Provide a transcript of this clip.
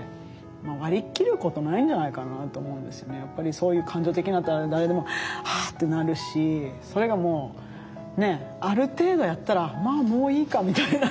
そういう感情的になったら誰でもあってなるしそれがもうある程度やったらまあもういいかみたいな。